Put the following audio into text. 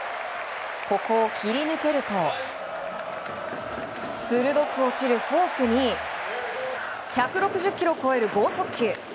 ここを切り抜けると鋭く落ちるフォークに１６０キロを超える剛速球。